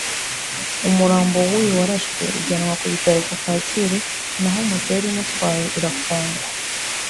umurambo w’uyu warashwe ujyanwa ku bitaro ku Kacyiru naho moto yari imutwaye irafungwa